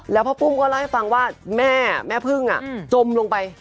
แล้วพ่อปุ้มก็เล่าให้ฟังว่าแม่พึ่งจมลงไป